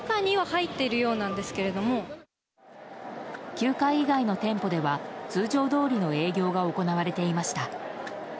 ９階以外の店舗では通常どおりの営業が行われていました。